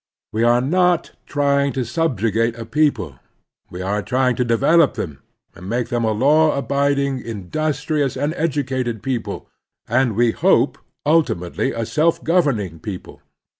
We are not trying to subjugate a people; we are trying to develop them and make them a law abiding, in dustrious, and educated people, and we hope ultimately a self governing people.